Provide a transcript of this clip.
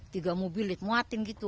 tiga mobil ditempatin gitu